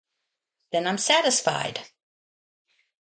Then I'm satisfied!